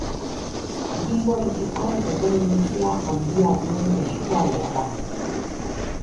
Bilborekiko dependentzia handia duen eskualdea da.